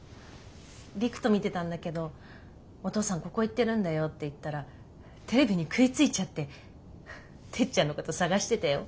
璃久と見てたんだけど「お父さんここ行ってるんだよ」って言ったらテレビに食いついちゃっててっちゃんのこと探してたよ。